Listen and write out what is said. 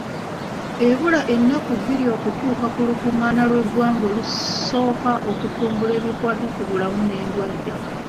Ebula ennaku bbiri okutuuka ku lukungaana lw'eggwanga olusooka olutumbula ebikwata ku bulamu n'endwadde.